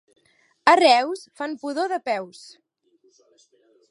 A Reus fan pudor de peus.